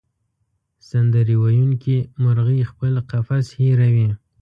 سندرې ویونکې مرغۍ خپل قفس هېروي.